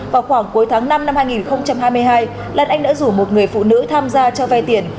vào khoảng cuối tháng năm năm hai nghìn hai mươi hai lan anh đã rủ một người phụ nữ tham gia cho vay tiền